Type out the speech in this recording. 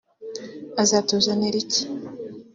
Azatuzanira iki